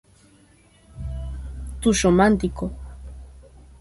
King, Ike y Tina Turner o Terry Reid.